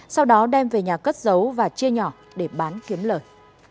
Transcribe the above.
sau đó đem về nhà cất giấu và chia nhỏ để bán kiếm lời